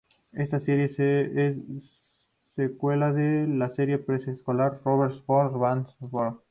Esta serie es secuela de la serie predecesora Super Robot Red Baron.